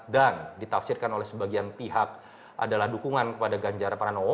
dan ditafsirkan oleh sebagian pihak adalah dukungan kepada ganjar pranowo